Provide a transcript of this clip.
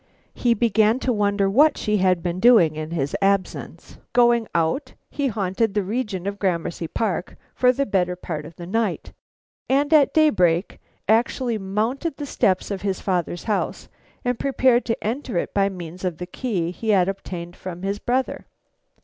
He began to wonder what she had been doing in his absence. Going out, he haunted the region of Gramercy Park for the better part of the night, and at daybreak actually mounted the steps of his father's house and prepared to enter it by means of the key he had obtained from his brother.